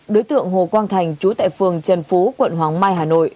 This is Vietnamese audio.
đối tượng hồ quang thành chú tại phường trần phú quận hoàng mai hà nội